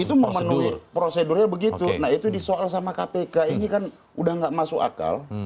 itu memenuhi prosedurnya begitu nah itu disoal sama kpk ini kan udah gak masuk akal